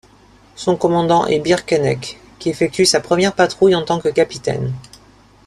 Son commandant est Birkeneck qui effectue sa première patrouille en tant que capitaine.